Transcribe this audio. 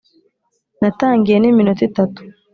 natangiye niminota itatu